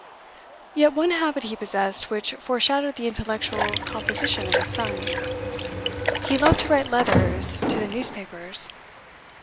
Yet one habit he possessed which foreshadowed the intellectual composition of his son, he loved to write letters to the newspapers.